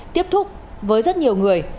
tiếp thúc với rất nhiều người